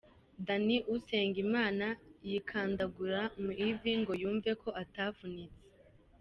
Danny Usengimana yikandagura mu ivi ngo yumve ko atavunitse.